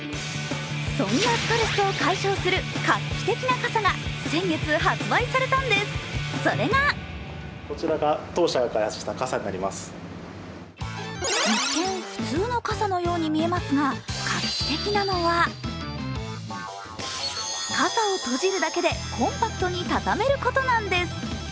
そんなストレスを解消する画期的な傘が先月発売されたんです、それが一見普通の傘のように見えますが、画期的なのは傘を閉じるだけでコンパクトに畳めることなんです。